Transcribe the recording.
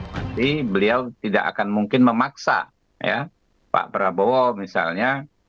tapi beliau tidak akan mungkin memaksa ya pak prabowo misalnya